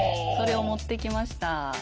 それを持ってきました。